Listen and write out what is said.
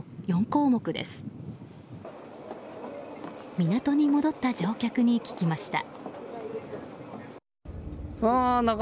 港に戻った乗客に聞きました。